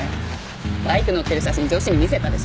バイク乗ってる写真女子に見せたでしょ？